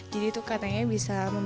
jadi itu katanya bisa membahas